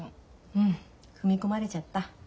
うん踏み込まれちゃった。